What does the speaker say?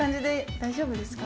大丈夫です。